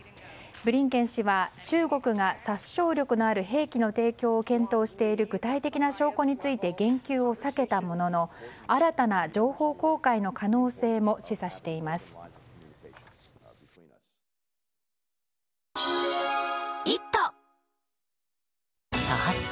ブリンケン氏は中国が殺傷力のある兵器の提供を検討している具体的な証拠について言及を避けたものの新たな情報公開の可能性も示唆しています。